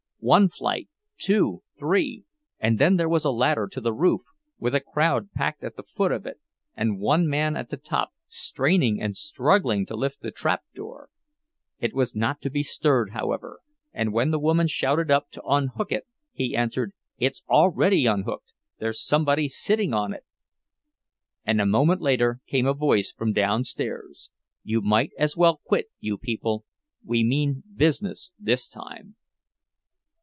One flight, two, three—and then there was a ladder to the roof, with a crowd packed at the foot of it, and one man at the top, straining and struggling to lift the trap door. It was not to be stirred, however, and when the woman shouted up to unhook it, he answered: "It's already unhooked. There's somebody sitting on it!" And a moment later came a voice from downstairs: "You might as well quit, you people. We mean business, this time."